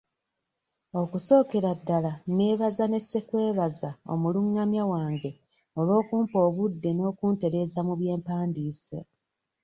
Okusookera ddala neebaza ne ssekwebaza omulungamya wange olw'okumpa obudde n'okuntereeza mu bye mpandiise.